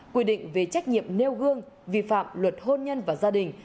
quy định về trách nhiệm nêu gương vi phạm luật hôn nhân và gia đình